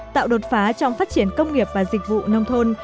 tạo đột phá trong phát triển công nghiệp và dịch vụ nông thôn